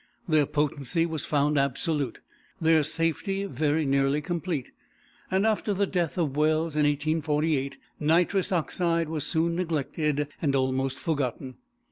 Their potency was found absolute, their safety very nearly complete, and, after the death of Wells in 1848, nitrous oxide was soon neglected and almost forgotten.